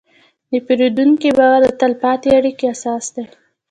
د پیرودونکي باور د تل پاتې اړیکې اساس دی.